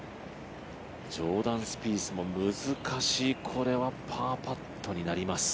ジョーダン・スピースも難しいこれはパーパットになります。